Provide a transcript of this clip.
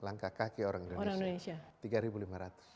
langkah kaki orang indonesia